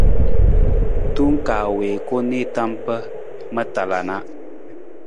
Tong kaa wii ku nii tam pa ma tala na.